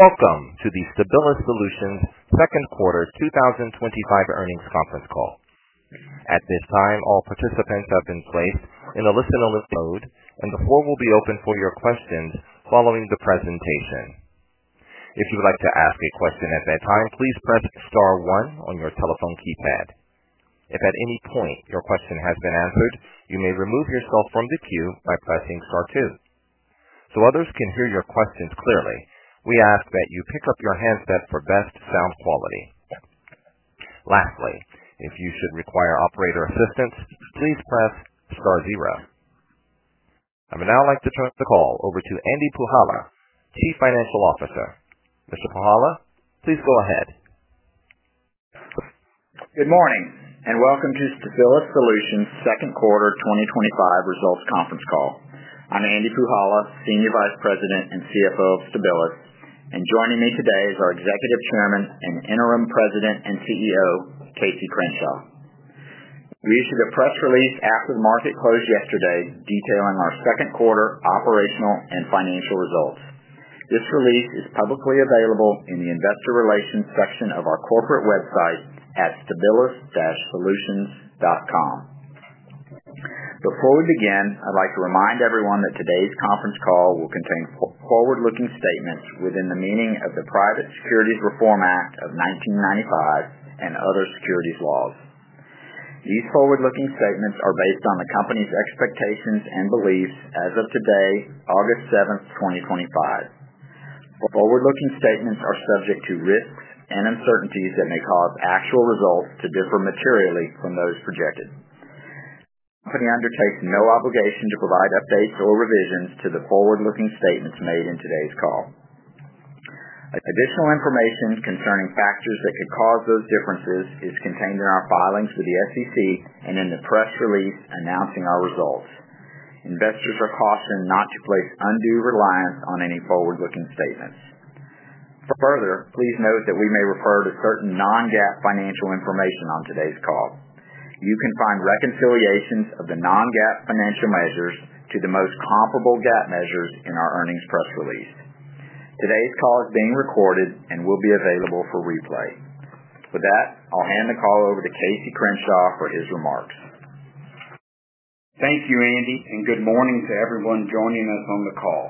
Welcome to the Stabilis Solutions Second Quarter 2025 Earnings Conference Call. At this time, all participants have been placed in a listen-only mode, and the floor will be open for your questions following the presentation. If you would like to ask a question at that time, please press star one on your telephone keypad. If at any point your question has been answered, you may remove yourself from the queue by pressing star two. To ensure others can hear your questions clearly, we ask that you pick up your handset for best sound quality. Lastly, if you should require operator assistance, please press star zero. I would now like to turn the call over to Andy Puhala, Chief Financial Officer. Mr. Puhala, please go ahead. Good morning and welcome to Stabilis Solutions' Second Quarter 2025 Results Conference Call. I'm Andy Puhala, Senior Vice President and CFO of Stabilis, and joining me today is our Executive Chairman and Interim President and CEO, Casey Crenshaw. We issued a press release after the market closed yesterday detailing our second quarter operational and financial results. This release is publicly available in the Investor Relations section of our corporate website at stabilis-solutions.com. Before we begin, I'd like to remind everyone that today's conference call will contain forward-looking statements within the meaning of the Private Securities Reform Act of 1995 and other securities laws. These forward-looking statements are based on the company's expectations and beliefs as of today, August 7th, 2025. Forward-looking statements are subject to risks and uncertainties that may cause actual results to differ materially from those projected. The company undertakes no obligation to provide updates or revisions to the forward-looking statements made in today's call. Additional information concerning factors that could cause those differences is contained in our filings for the SEC and in the press release announcing our results. Investors are cautioned not to place undue reliance on any forward-looking statements. Further, please note that we may refer to certain non-GAAP financial information on today's call. You can find reconciliations of the non-GAAP financial measures to the most comparable GAAP measures in our earnings press release. Today's call is being recorded and will be available for replay. With that, I'll hand the call over to Casey Crenshaw for his remarks. Thank you, Andy, and good morning to everyone joining us on the call.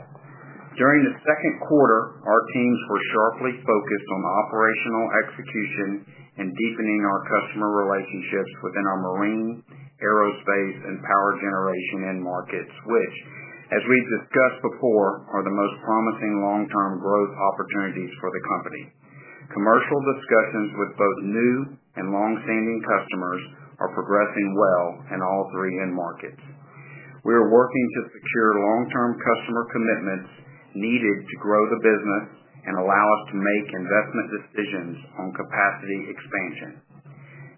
During the second quarter, our teams were sharply focused on operational execution and deepening our customer relationships within our marine, aerospace, and power generation end markets, which, as we've discussed before, are the most promising long-term growth opportunities for the company. Commercial discussions with both new and longstanding customers are progressing well in all three end markets. We are working to secure long-term customer commitments needed to grow the business and allow us to make investment decisions on capacity expansion.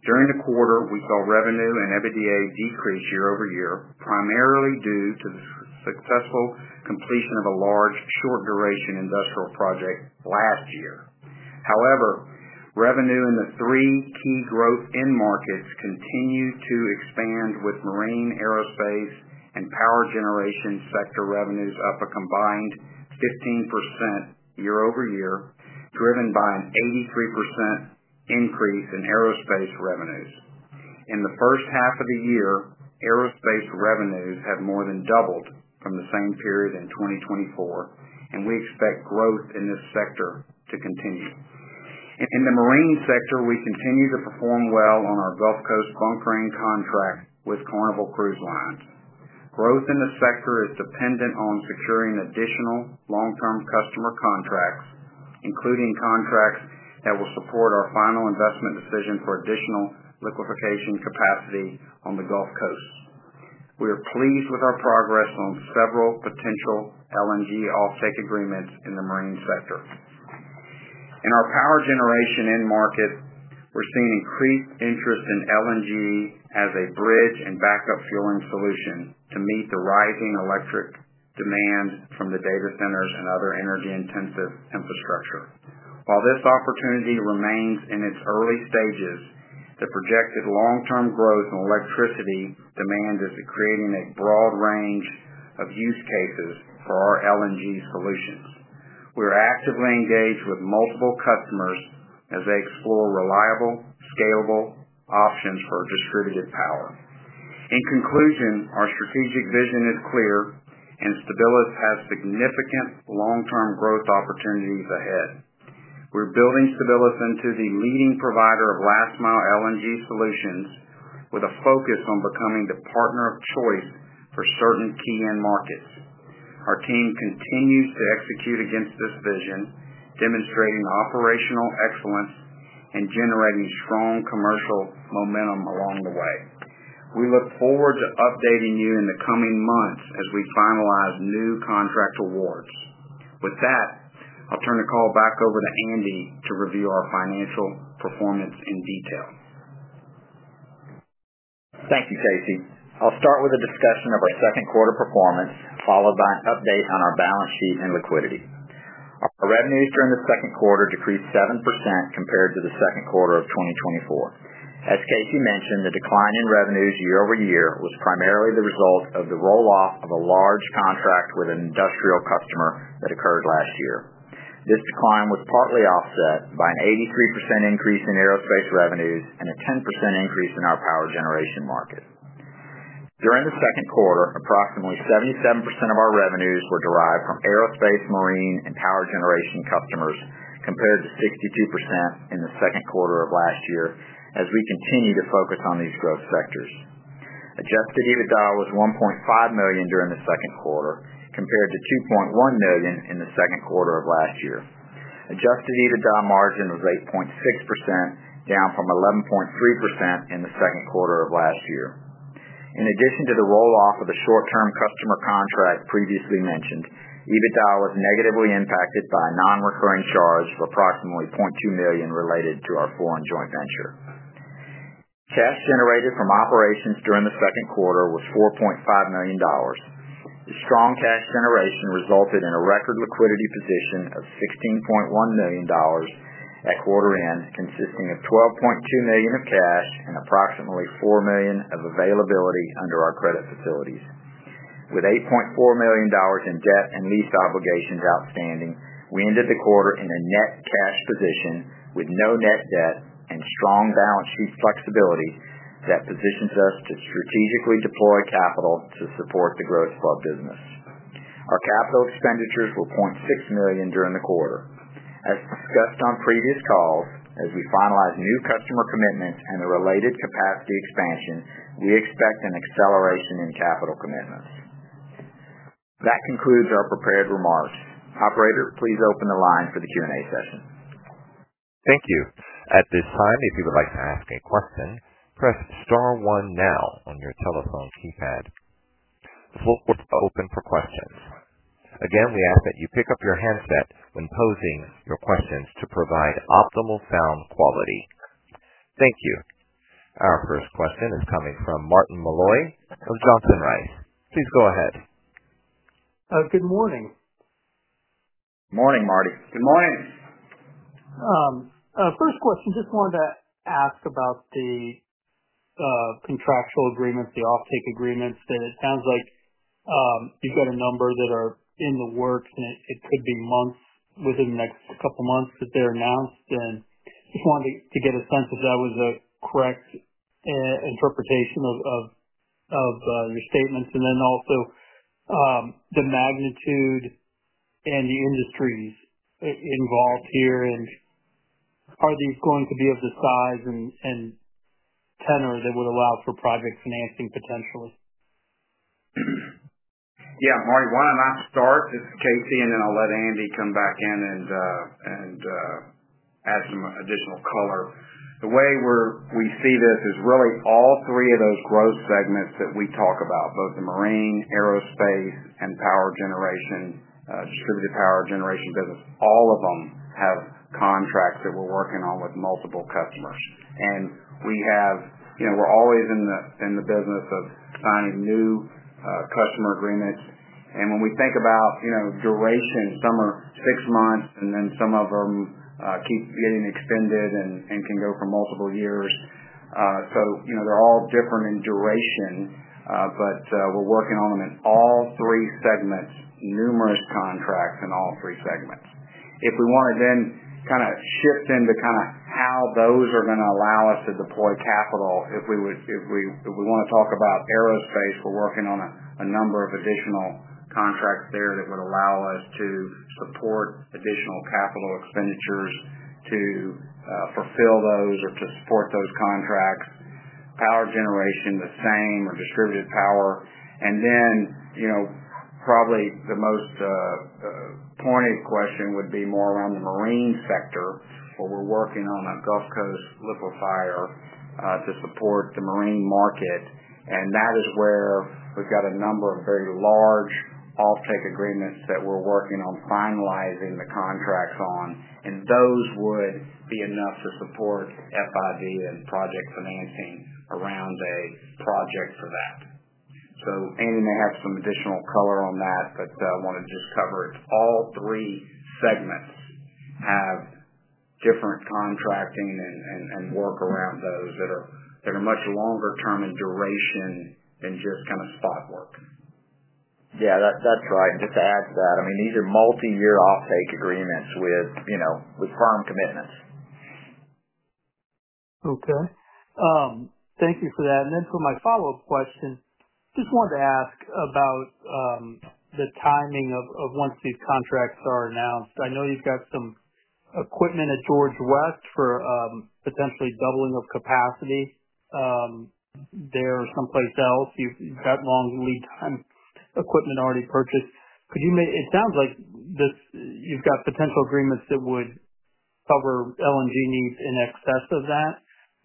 During the quarter, we saw revenue and EBITDA decrease year-over-year, primarily due to the successful completion of a large, short-duration industrial project last year. However, revenue in the three key growth end markets continued to expand with marine, aerospace, and power generation sector revenues up a combined 15% year-over-year, driven by an 83% increase in aerospace revenues. In the first half of the year, aerospace revenues have more than doubled from the same period in 2023, and we expect growth in this sector to continue. In the marine sector, we continue to perform well on our Gulf Coast bunkering contract with Carnival Cruise Line. Growth in this sector is dependent on securing additional long-term customer contracts, including contracts that will support our final investment decision for additional liquefaction capacity on the Gulf Coast. We are pleased with our progress on several potential LNG offtake agreements in the marine sector. In our power generation end market, we're seeing increased interest in LNG as a bridge and backup fueling solution to meet the rising electric demand from the data centers and other energy-intensive infrastructure. While this opportunity remains in its early stages, the projected long-term growth in electricity demand is creating a broad range of use cases for our LNG solutions. We are actively engaged with multiple customers as they explore reliable, scalable options for distributed power. In conclusion, our strategic vision is clear, and Stabilis has significant long-term growth opportunities ahead. We're building Stabilis into the leading provider of last-mile LNG solutions with a focus on becoming the partner of choice for certain key end markets. Our team continues to execute against this vision, demonstrating operational excellence and generating strong commercial momentum along the way. We look forward to updating you in the coming months as we finalize new contract awards. With that, I'll turn the call back over to Andy to review our financial performance in detail. Thank you, Casey. I'll start with a discussion of our second quarter performance, followed by an update on our balance sheet and liquidity. Our revenues during the second quarter decreased 7% compared to the second quarter of 2024. As Casey mentioned, the decline in revenues year-over-year was primarily the result of the rolloff of a large contract with an industrial customer that occurred last year. This decline was partly offset by an 83% increase in aerospace revenues and a 10% increase in our power generation market. During the second quarter, approximately 77% of our revenues were derived from aerospace, marine, and power generation customers, compared to 62% in the second quarter of last year, as we continue to focus on these growth sectors. Adjusted EBITDA was $1.5 million during the second quarter, compared to $2.1 million in the second quarter of last year. Adjusted EBITDA margin was 8.6%, down from 11.3% in the second quarter of last year. In addition to the rolloff of the short-term customer contract previously mentioned, EBITDA was negatively impacted by non-recurring charges of approximately $0.2 million related to our foreign joint venture. Cash generated from operations during the second quarter was $4.5 million. The strong cash generation resulted in a record liquidity position of $16.1 million at quarter end, consisting of $12.2 million of cash and approximately $4 million of availability under our credit facilities. With $8.4 million in debt and lease obligations outstanding, we ended the quarter in a net cash position with no net debt and strong balance sheet flexibility that positions us to strategically deploy capital to support the growth of our business. Our capital expenditures were $0.6 million during the quarter. As discussed on previous calls, as we finalize new customer commitments and a related capacity expansion, we expect an acceleration in capital commitments. That concludes our prepared remarks. Operator, please open the line for the Q&A session. Thank you. At this time, if you would like to ask a question, press star one now on your telephone keypad. The floor will be open for questions. Again, we ask that you pick up your handset when posing your questions to provide optimal sound quality. Thank you. Our first question is coming from Martin Malloy of Johnson Rice. Please go ahead. good morning. morning, Marty. Good morning. First question, just wanted to ask about the contractual agreements, the offtake agreements, that it sounds like you've got a number that are in the works, and it could be within the next couple of months that they're announced. I just wanted to get a sense if that was the correct interpretation of your statements. Also, the magnitude and the industries involved here, and are these going to be of the size and tenor that would allow for project financing potential? Yeah, Marty, why don't I start? This is Casey, and then I'll let Andy come back in and add some additional color. The way we see this is really all three of those growth segments that we talk about, both the marine, aerospace, and power generation, distributed power generation business, all of them have contracts that we're working on with multiple customers. We're always in the business of signing new customer agreements. When we think about duration, some are six months, and then some of them keep getting extended and can go for multiple years. They're all different in duration, but we're working on them in all three segments, numerous contracts in all three segments. If we want to then kind of shift into how those are going to allow us to deploy capital, if we want to talk about aerospace, we're working on a number of additional contracts there that would allow us to support additional capital expenditures to fulfill those or to support those contracts. Power generation, the same, or distributed power. Probably the most pointed question would be more around the marine sector, where we're working on a Gulf Coast liquefier to support the marine market. That is where we've got a number of very large offtake agreements that we're working on finalizing the contracts on. Those would be enough to support final investment decision and project financing around a project for that. Andy may have some additional color on that, but I wanted to just cover it. All three segments have different contracting and work around those that are much longer term in duration than just kind of spot work. Yeah, that's right. Just to add to that, I mean, these are multi-year offtake agreements with firm commitments. Okay, thank you for that. For my follow-up question, I just wanted to ask about the timing of once these contracts are announced. I know you've got some equipment at George West for potentially doubling up capacity there or someplace else. You've got long lead-time equipment already purchased. Could you make, it sounds like this, you've got potential agreements that would cover LNG needs in excess of that.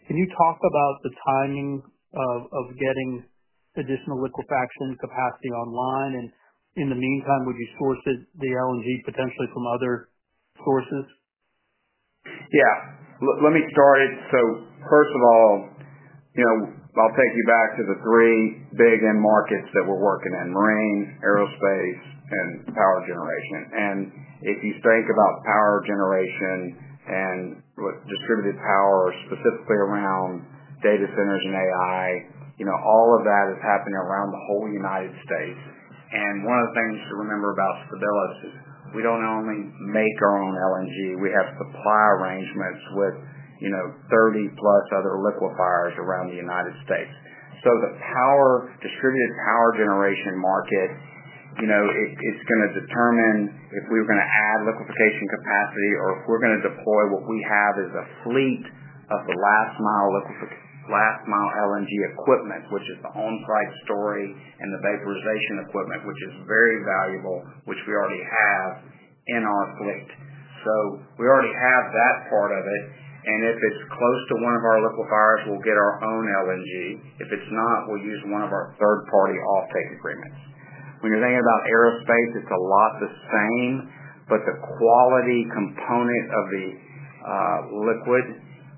Can you talk about the timing of getting additional liquefaction capacity online? In the meantime, would you source the LNG potentially from other sources? Yeah. Let me start it. First of all, I'll take you back to the three big end markets that we're working in: marine, aerospace, and power generation. If you think about power generation and distributed power, specifically around data centers and AI, all of that is happening around the whole United States. One of the things you should remember about Stabilis is we don't only make our own LNG. We have supply arrangements with 30+ other liquefiers around the United States. The power, distributed power generation market, it's going to determine if we are going to add liquefaction capacity or if we're going to deploy what we have as a fleet of the last-mile liquefaction, last-mile LNG equipment, which is the on-site story and the vaporization equipment, which is very valuable, which we already have in our fleet. We already have that part of it. If it's close to one of our liquefiers, we'll get our own LNG. If it's not, we'll use one of our third-party offtake agreements. When you're thinking about aerospace, it's a lot the same, but the quality component of the liquid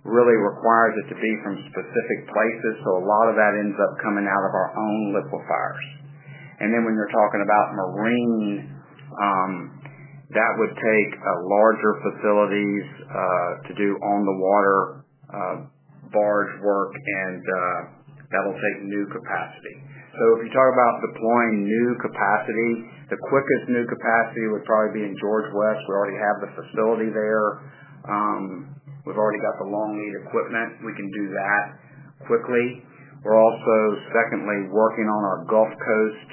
really requires it to be from specific places. A lot of that ends up coming out of our own liquefiers. When you're talking about marine, that would take larger facilities to do on-the-water, barge work, and that'll take new capacity. If you talk about deploying new capacity, the quickest new capacity would probably be in George West. We already have the facility there. We've already got the long-lead equipment. We can do that quickly. We're also secondly working on our Gulf Coast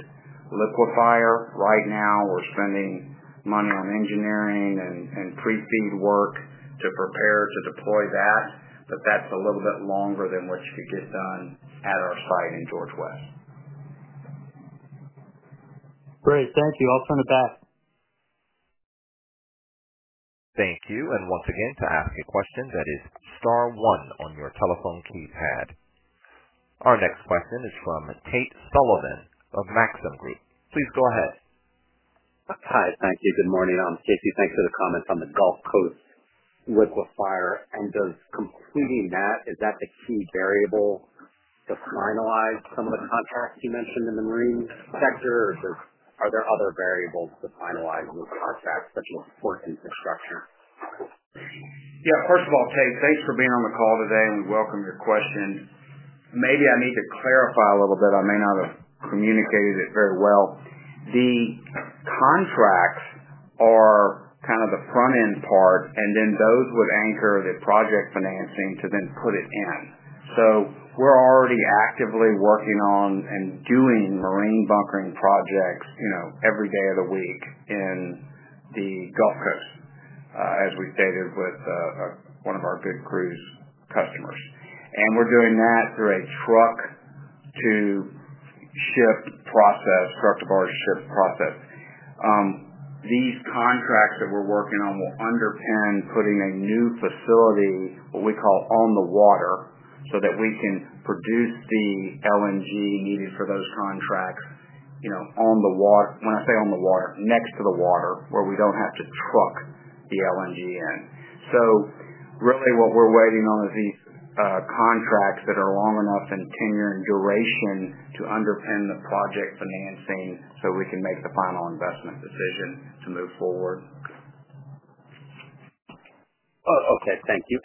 liquefier. Right now, we're spending money on engineering and pre-construction work to prepare to deploy that, but that's a little bit longer than what you could get done at our site in George West. Great, thank you. I'll turn it back. Thank you. Once again, to ask your questions, that is star one on your telephone keypad. Our next question is from Tate Sullivan of Maxim Group. Please go ahead. Hi, thank you. Good morning. Casey, thanks for the comment on the Gulf Coast liquefier. Does completing that, is that the key variable to finalize some of the contracts you mentioned in the marine sector, or are there other variables to finalize those contracts between the four infrastructures? Yeah, first of all, Tate, thanks for being on the call today, and we welcome your question. Maybe I need to clarify a little bit. I may not have communicated it very well. The contracts are kind of the front-end part, and then those would anchor the project financing to then put it in. We're already actively working on and doing marine bunkering projects every day of the week in the Gulf Coast, as we stated with one of our good cruise customers. We're doing that through a truck-to-ship process, truck-to-barge ship process. These contracts that we're working on will underpin putting a new facility, what we call on the water, so that we can produce the LNG needed for those contracts on the water. When I say on the water, next to the water, where we don't have to truck the LNG in. Really, what we're waiting on is these contracts that are long enough in tenure and duration to underpin the project financing so we can make the final investment decision to move forward. Okay. Thank you.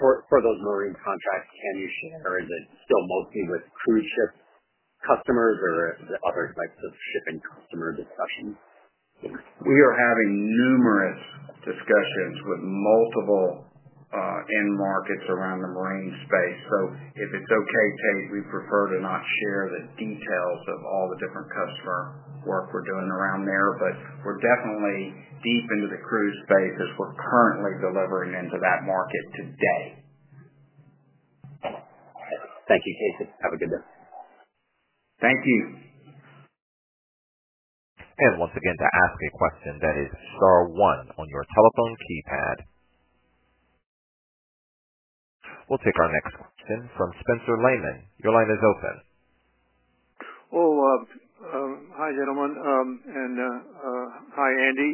For those marine contracts, can you share, is it still mostly with cruise ship customers or are there other types of shipping customer discussions? We are having numerous discussions with multiple end markets around the marine space. If it's okay, Tate, we prefer to not share the details of all the different customer work we're doing around there, but we're definitely deep into the cruise space as we're currently delivering into that market today. Thank you, Casey. Have a good day. Thank you. To ask a question, that is star one on your telephone keypad. We'll take our next question from Spencer Lehman. Your line is open. Oh, hi gentlemen. Hi Andy.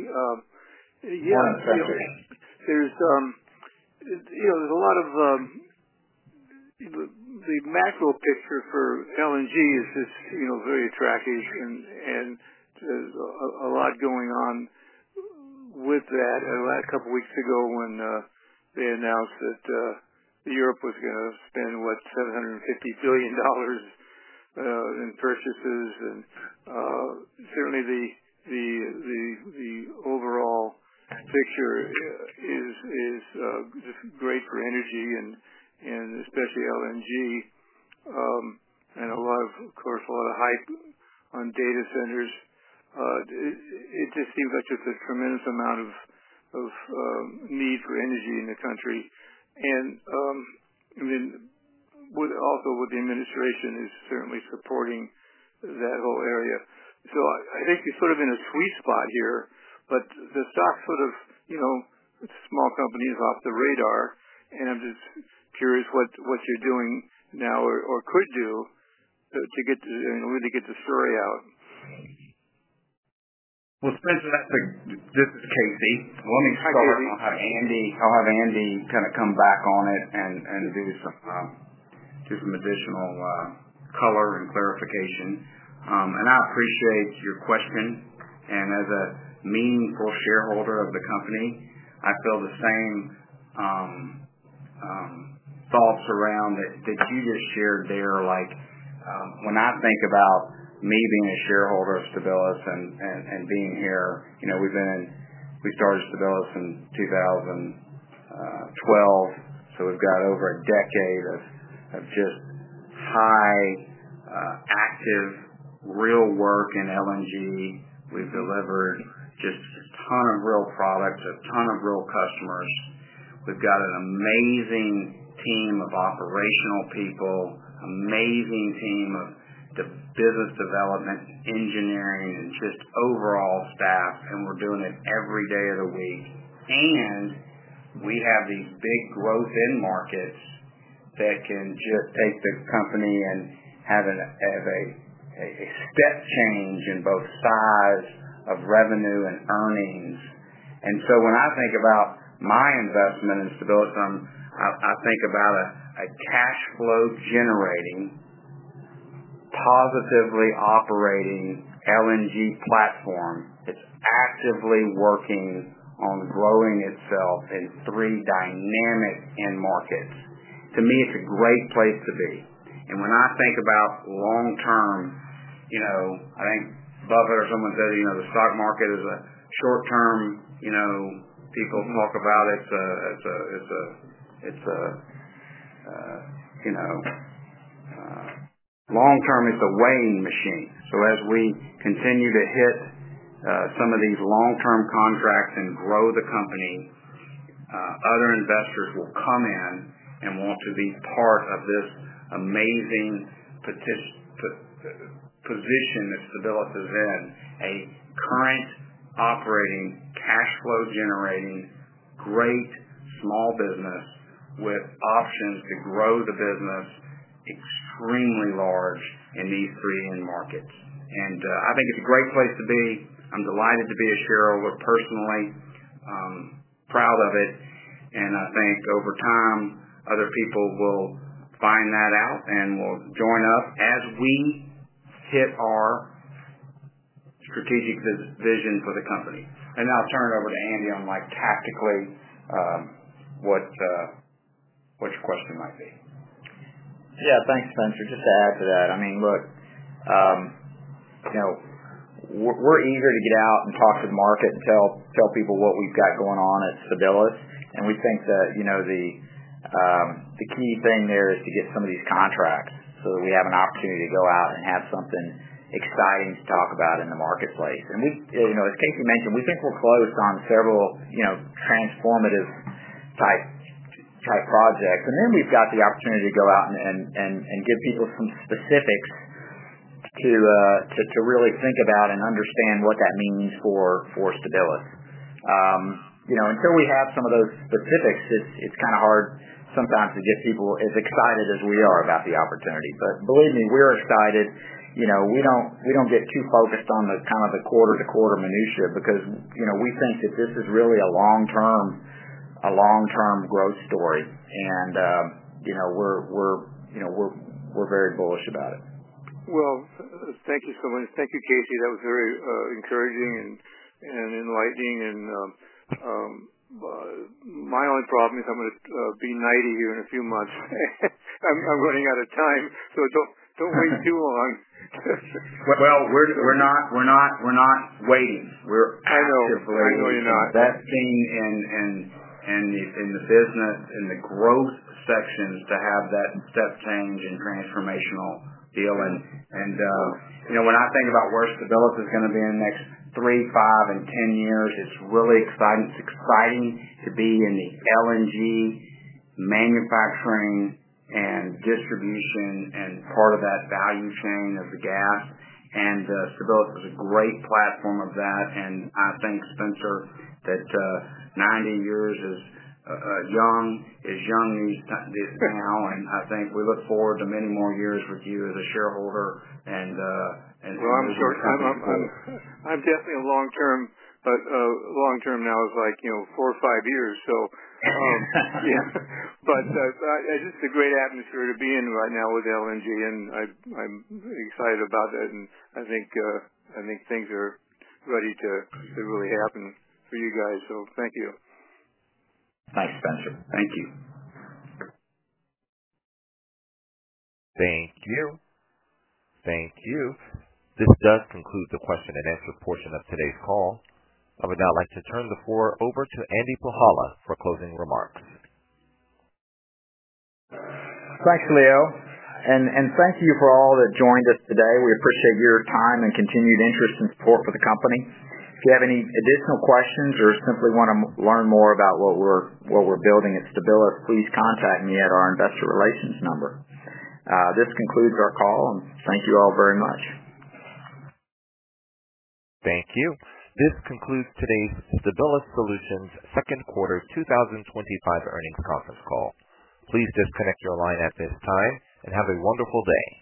Yeah. Hi, Spencer. There's a lot of, the macro picture for LNG is just very attractive, and there's a lot going on with that. A couple of weeks ago, they announced that Europe was going to spend $750 billion in purchases. Certainly, the overall picture is just great for energy and especially LNG. Of course, a lot of hype on data centers. It just seems like there's a tremendous amount of need for energy in the country. I mean, also with the administration certainly supporting that whole area. I think we're sort of in a sweet spot here, but the stock, small companies off the radar. I'm just curious what you're doing now or could do to really get the story out. Spencer, this is Casey. Let me start. I'll have Andy come back on it and do some additional color and clarification. I appreciate your questions. As a meaningful shareholder of the company, I feel the same thoughts around that that you just shared there. When I think about me being a shareholder of Stabilis and being here, we started Stabilis in 2012, so we've got over a decade of just high, active real work in LNG. We've delivered just a ton of real products, a ton of real customers. We've got an amazing team of operational people, an amazing team of business development, engineering, and just overall staff, and we're doing it every day of the week. We have these big growth end markets that can just take the company and have a step change in both size of revenue and earnings. When I think about my investment in Stabilis, I think about a cash-flow-generating, positively operating LNG platform. It's actively working on growing itself in three dynamic end markets. To me, it's a great place to be. When I think about long-term, I think Buffett or someone said, the stock market is a short-term, people talk about it's a long-term, it's a weighing machine. As we continue to hit some of these long-term contracts and grow the company, other investors will come in and want to be part of this amazing position that Stabilis has been, a current operating, cash-flow-generating, great small business with options to grow the business extremely large in these three end markets. I think it's a great place to be. I'm delighted to be a shareholder personally, proud of it. I think over time, other people will find that out and will join up as we hit our strategic vision for the company. I'll turn it over to Andy on tactically what your question might be. Yeah. Thanks, Spencer. Just to add to that, I mean, look, we're eager to get out and talk to the market and tell people what we've got going on at Stabilis. We think that the key thing there is to get some of these contracts so that we have an opportunity to go out and have something exciting to talk about in the marketplace. As Casey mentioned, we think we'll close on several transformative type projects. We've got the opportunity to go out and give people some specifics to really think about and understand what that means for Stabilis. You know, until we have some of those specifics, it's kind of hard sometimes to get people as excited as we are about the opportunity. Believe me, we're excited. We don't get too focused on the quarter-to-quarter minutia because we think that this is really a long-term growth story, and we're very bullish about it. Thank you so much. Thank you, Casey. That was very encouraging and enlightening. My only problem is I'm going to be 90 years old here in a few months. I'm running out of time, so don't wait too long. We're not waiting. We're actively waiting. I know you're not. That seems in the business, in the growth section to have that step change and transformational deal. You know, when I think about where Stabilis is going to be in the next 3, 5, and 10 years, it's really exciting to be in the LNG manufacturing and distribution and part of that value chain of the gas. Stabilis is a great platform of that. I think, Spencer, that 90 years is young these days now. I think we look forward to many more years with you as a shareholder and growing the company. I'm definitely a long-term, but long-term now is like, you know, four or five years. Yeah, it's just a great atmosphere to be in right now with LNG, and I'm excited about that. I think things are ready to really happen for you guys. Thank you. Thanks, Spencer. Thank you. Thank you. Thank you. This does conclude the question and answer portion of today's call. I would now like to turn the floor over to Andy Puhala for closing remarks. Thanks, [Leo]. Thank you for all that joined us today. We appreciate your time and continued interest and support with the company. If you have any additional questions or simply want to learn more about what we're building at Stabilis, please contact me at our investor relations number. This concludes our call, and thank you all very much. Thank you. This concludes today's Stabilis Solutions Second Quarter 2025 Earnings Conference Call. Please disconnect your line at this time and have a wonderful day.